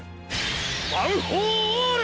ワンフォーオール！